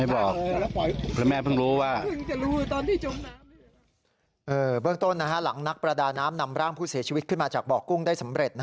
เบื้องต้นหลังนักประดาน้ำนำร่างผู้เสียชีวิตขึ้นมาจากบ่อกุ้งได้สำเร็จ